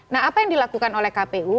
nah apa yang dilakukan oleh kpu